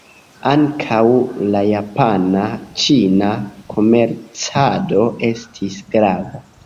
Ankaŭ la japana-ĉina komercado estis grave.